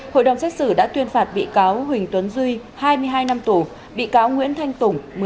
hội đồng xét xử đã tuyên phạt bị cáo huỳnh tuấn duy hai mươi hai năm tù bị cáo nguyễn thanh tùng một mươi hai năm tù